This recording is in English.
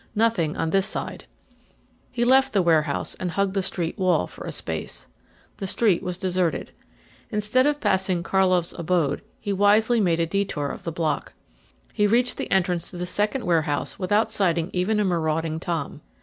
Nothing on this side. He left the warehouse and hugged the street wall for a space. The street was deserted. Instead of passing Karlov's abode he wisely made a detour of the block. He reached the entrance to the second warehouse without sighting even a marauding tom.